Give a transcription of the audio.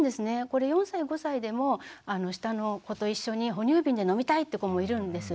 これ４歳５歳でも下の子と一緒に哺乳瓶で飲みたいって子もいるんです。